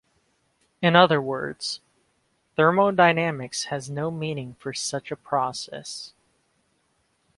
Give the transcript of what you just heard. In other words, thermodynamics has no meaning for such a process.